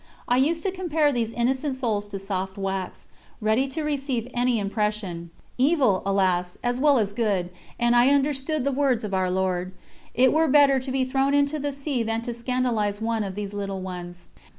I used to compare these innocent souls to soft wax, ready to receive any impression evil, alas! as well as good, and I understood the words of Our Lord: "It were better to be thrown into the sea than to scandalise one of these little ones."